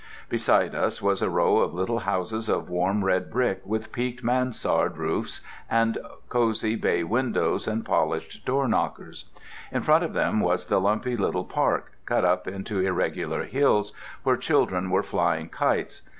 Beside us was a row of little houses of warm red brick with peaked mansard roofs and cozy bay windows and polished door knockers. In front of them was the lumpy little park, cut up into irregular hills, where children were flying kites.